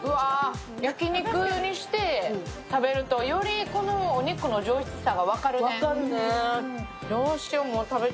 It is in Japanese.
焼き肉にして食べると、よりお肉の上質さが分かるね。